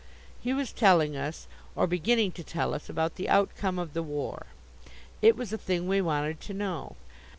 He was telling us, or beginning to tell us, about the outcome of the war. It was a thing we wanted to know.